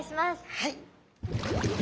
はい。